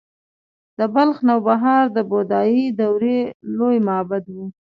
د بلخ نوبهار د بودايي دورې لوی معبد و